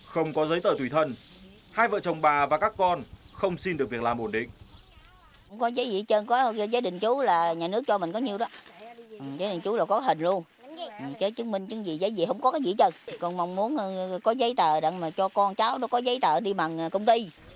không có giấy tờ tùy thân hai vợ chồng bà và các con không xin được việc làm ổn định